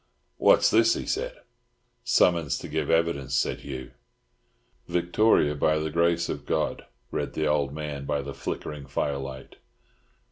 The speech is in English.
"What's this?" he said. "Summons to give evidence," said Hugh. "Victoria by the Grace of God," read the old man, by the flickering firelight.